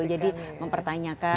jadi mempertanyakan gitu